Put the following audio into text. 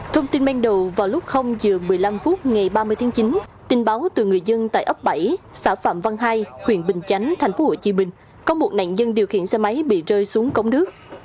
thông tin men đầu vào lúc giờ một mươi năm phút ngày ba mươi tháng chín tin báo từ người dân tại ấp bảy xã phạm văn hai huyện bình chánh thành phố hồ chí minh có một nạn dân điều khiển xe máy bị rơi xuống cống nước